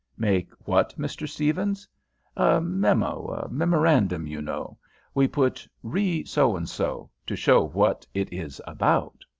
"Make what, Mr. Stephens?" "A memo a memorandum, you know. We put re so and so to show what it is about."